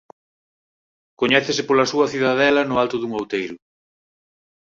Coñécese pola súa cidadela no alto dun outeiro.